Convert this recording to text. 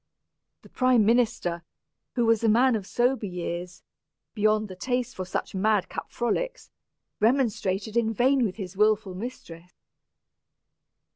The prime minister, who was a man of sober years, beyond the taste for such mad cap frolics, remonstrated in vain with his wilful mistress.